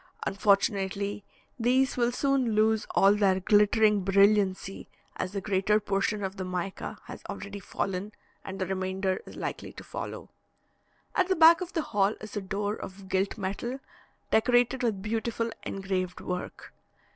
Unfortunately, these will soon lose all their glittering brilliancy, as the greater portion of the mica has already fallen, and the remainder is likely to follow. At the back of the hall is a door of gilt metal, decorated with beautiful engraved work.